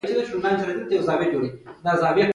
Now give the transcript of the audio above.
چیني د عثمان جان پاچا خبرې اریان دریان کړ.